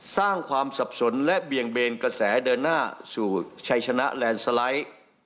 สร้างความสับสนและเบี่ยงเบนกระแสเดินหน้าสู่ชัยชนะแลนด์สไลด์